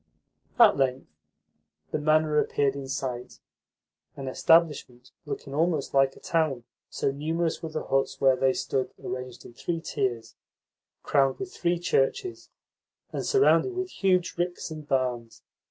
At length the manor appeared in sight an establishment looking almost like a town, so numerous were the huts where they stood arranged in three tiers, crowned with three churches, and surrounded with huge ricks and barns.